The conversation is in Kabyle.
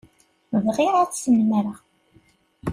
Bɣiɣ ad tt-snemmreɣ.